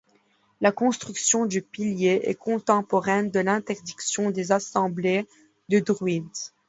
La construction du pilier est contemporaine de l'interdiction des assemblées de druides.